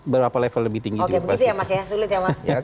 berapa level lebih tinggi juga pasti oke begitu ya mas ya